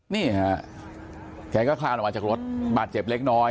นี่ฮะแกก็คลานออกมาจากรถบาดเจ็บเล็กน้อย